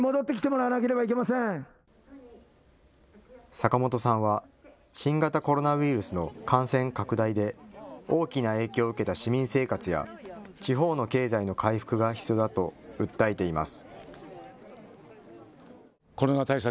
坂本さんは新型コロナウイルスの感染拡大で大きな影響を受けた市民生活や地方の経済の回復が必要だと訴えています。